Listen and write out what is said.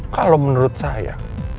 kalau menurut saya